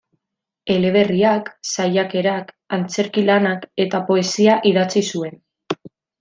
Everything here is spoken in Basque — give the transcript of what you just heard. Eleberriak, saiakerak, antzerki lanak eta poesia idatzi zuen.